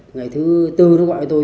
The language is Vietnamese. ngày thứ tư nó gọi với tôi